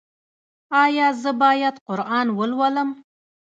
ایا زه باید قرآن ولولم؟